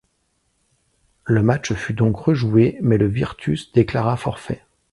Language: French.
Le match fut donc rejouer mais le Virtus déclara forfait.